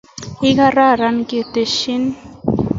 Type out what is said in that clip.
Ikararan, kitesyi